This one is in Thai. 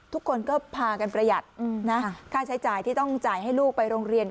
ทุกคนก็พากันประหยัดนะค่าใช้จ่ายที่ต้องจ่ายให้ลูกไปโรงเรียน